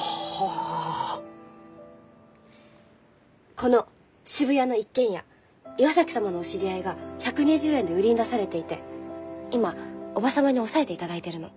この渋谷の一軒家岩崎様のお知り合いが１２０円で売りに出されていて今叔母様に押さえていただいてるの。